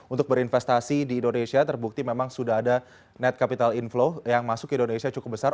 untuk berinvestasi di indonesia terbukti memang sudah ada net capital inflow yang masuk ke indonesia cukup besar